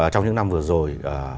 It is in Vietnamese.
trong những năm vừa rồi